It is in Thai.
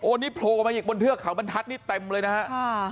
โอนิโพลออกมาอีกบนเทือกเขาบรรทัดนี่เต็มเลยนะฮะ